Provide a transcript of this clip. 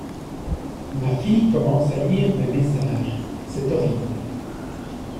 Ma fille commence à lire mes messages, c'est horrible.